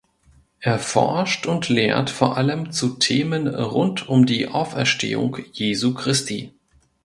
Er forscht und lehrt vor allem zu Themen rund um die Auferstehung Jesu Christi.